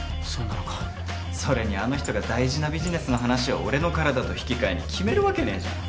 それにあの人が大事なビジネスの話を俺の体と引き換えに決めるわけねえじゃん。